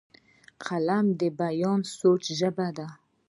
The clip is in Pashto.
قلم د بیان سوچه ژبه ده